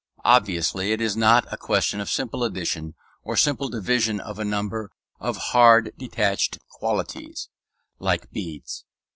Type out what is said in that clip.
Obviously it is not a question of simple addition or simple division of a number of hard detached "qualities," like beads.